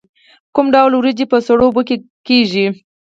کوم ډول وریجې په سړو اوبو کې کیږي؟